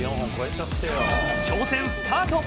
挑戦スタート。